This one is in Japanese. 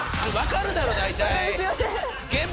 すいません。